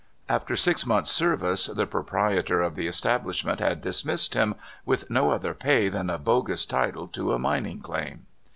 After six months' service, the proprietor of the establishment had dismissed him with no other pay than a bogus title to a mining claim.